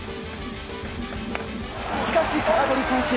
しかし、空振り三振。